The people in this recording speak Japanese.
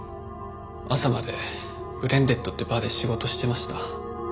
朝までブレンデッドってバーで仕事してました。